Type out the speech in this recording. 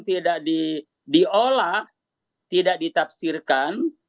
tidak digoreng tidak diolah tidak ditafsirkan